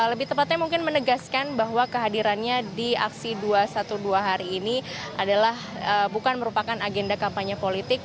lebih tepatnya mungkin menegaskan bahwa kehadirannya di aksi dua ratus dua belas hari ini adalah bukan merupakan agenda kampanye politik